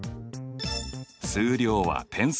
数量は点数。